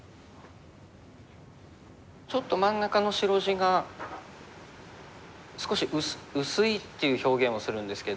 ちょっと真ん中の白地が少し薄いっていう表現をするんですけど。